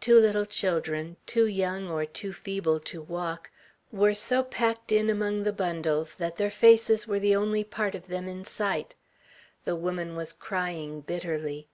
Two little children, two young or too feeble to walk, were so packed in among the bundles that their faces were the only part of them in sight. The woman was crying bitterly.